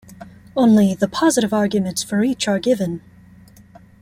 Only the positive arguments for each are given.